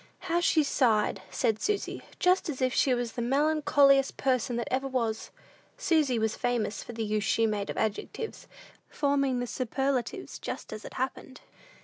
"How she sighed," said Susy, "just as if she was the melancholiest person that ever was!" Susy was famous for the use she made of adjectives, forming the superlatives just as it happened.